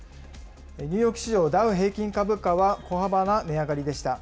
ニューヨーク市場ダウ平均株価は小幅な値上がりでした。